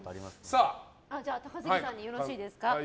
高杉さんによろしいですか。